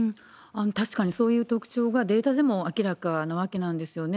確かにそういう特徴がデータでも明らかなわけなんですよね。